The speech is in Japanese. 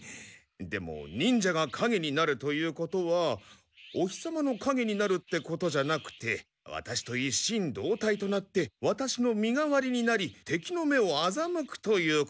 でも忍者がかげになるということはお日様のかげになるってことじゃなくてワタシと一心同体となってワタシの身代わりになり敵の目をあざむくということなんだ。